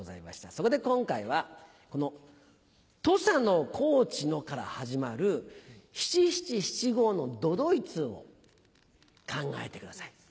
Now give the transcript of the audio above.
そこで今回はこの「土佐の高知の」から始まる七・七・七・五の都々逸を考えてください。